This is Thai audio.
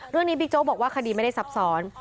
เรื่องนี้บิ๊กโจ๊กบอกว่าคดีไม่ได้ซับซ้อน